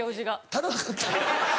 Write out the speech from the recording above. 足りなかった？